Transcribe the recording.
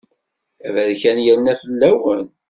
Aberkan yerna fell-awen.